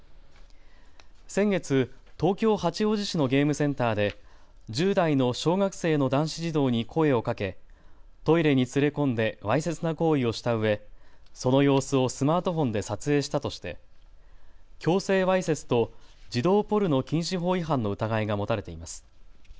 先月、東京八王子市のゲームセンターで１０代の小学生の男子児童に声をかけトイレに連れ込んでわいせつな行為をしたうえ、その様子をスマートフォンで撮影したとして強制わいせつと児童ポルノ禁止法違反の疑いが持たれています。